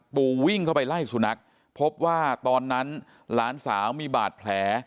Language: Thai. ปู่วิ่งเข้าไปไล่สุนัขพบว่าตอนนั้นหลานสาวมีบาดแผล